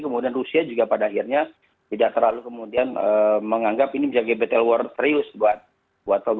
kemudian rusia juga pada akhirnya tidak terlalu kemudian menganggap ini menjadi battle war serius buat dua